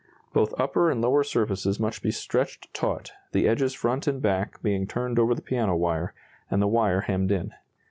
Both upper and lower surfaces must be stretched taut, the edges front and back being turned over the piano wire, and the wire hemmed in.